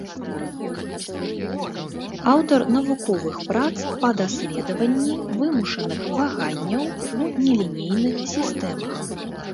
Аўтар навуковых прац па даследаванні вымушаных ваганняў у нелінейных сістэмах.